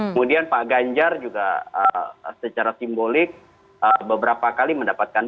kemudian pak ganjar juga secara simbolik beberapa kali mendapatkan